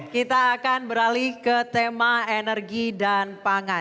kita akan beralih ke tema energi dan pangan